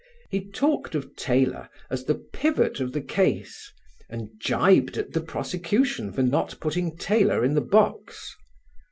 He talked of Taylor as "the pivot of the case," and gibed at the prosecution for not putting Taylor in the box.